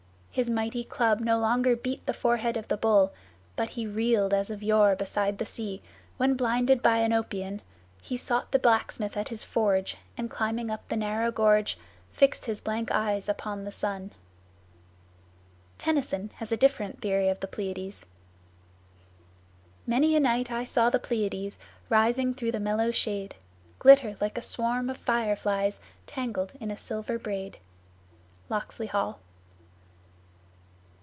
His mighty club no longer beat The forehead of the bull; but he Reeled as of yore beside the sea, When blinded by Oenopion He sought the blacksmith at his forge, And climbing up the narrow gorge, Fixed his blank eyes upon the sun." Tennyson has a different theory of the Pleiads: "Many a night I saw the Pleiads, rising through the mellow shade, Glitter like a swarm of fire flies tangled in a silver braid." Locksley Hall.